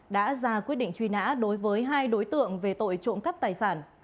đã ra quyết định truy nã đối với hai đối tượng về tội trộm cắp tài sản